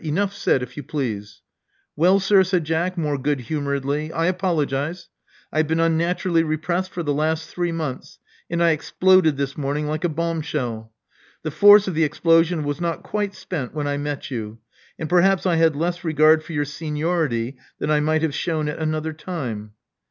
Enough said, if you please." Well, sir," said Jack, more good humoredly, I apologize. I have been unnaturally repressed for the last three months; and I exploded this morning like a bombshell. The force of the explosion was not quite spent when I met you; and perhaps I had less regard for your seniority than I might have shewn at another time."